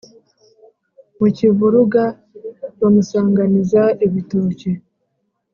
mu kivuruga bamusanganiza ibitoki,